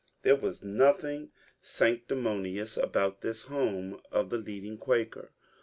There was nothing sanctimonious about this home of the leading Quaker.